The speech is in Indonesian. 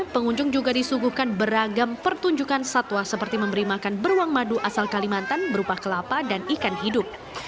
pengunjung juga disuguhkan beragam pertunjukan satwa seperti memberi makan beruang madu asal kalimantan berupa kelapa dan ikan hidup